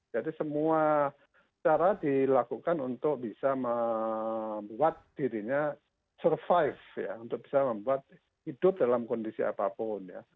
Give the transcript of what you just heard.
jadi semua cara dilakukan untuk bisa membuat dirinya survive untuk bisa membuat hidup dalam kondisi apapun